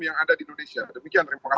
yang ada di indonesia demikian terima kasih